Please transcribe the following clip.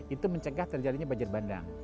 itu mencegah terjadinya banjir bandang